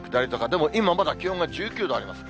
でも今、まだ気温が１９度あります。